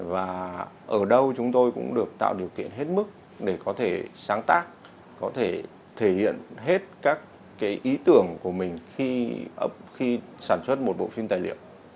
và ở đâu chúng tôi cũng được tạo điều kiện hết mức để có thể sáng tác có thể thể hiện hết các cái ý tưởng của mình khi sản xuất một bộ phim tài liệu